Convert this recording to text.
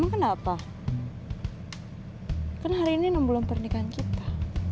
kan hari ini belum pernikahan kita